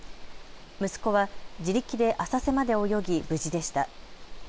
息子は自力で浅瀬まで泳ぎ無事でした。